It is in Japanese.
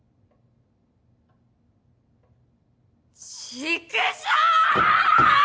チクショ‼